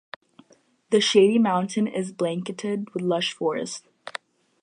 The shady mountain is blanketed with lush forest.